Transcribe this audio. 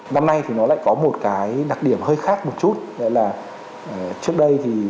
năm nay thì nó lại có một cái đặc điểm hơi khác một chút